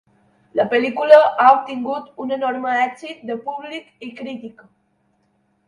La pel·lícula ha obtingut un enorme èxit de públic i crítica.